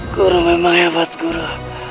guru memang hebat guru